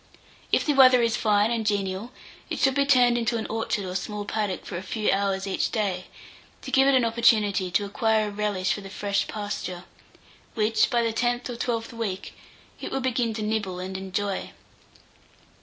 If the weather is fine and genial, it should be turned into an orchard or small paddock for a few hours each day, to give it an opportunity to acquire a relish for the fresh pasture, which, by the tenth or twelfth week, it will begin to nibble and enjoy.